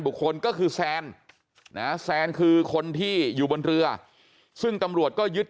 คนก็คือแซนนะแซนคือคนที่อยู่บนเรือซึ่งตำรวจก็ยึด